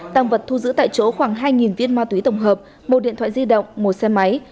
tăng vật thu giữ tại chỗ khoảng hai viên ma túy tổng hợp một điện thoại di động một xe máy